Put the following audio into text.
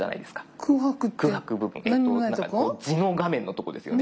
地の画面のとこですよね。